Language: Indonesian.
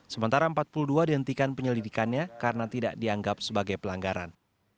sementara empat puluh dua dihentikan penyelidikannya karena tidak dianggap sebagai pelanggaran